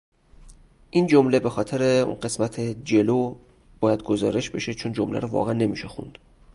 آن تپهی بلند جلو نسیم را میگیرد.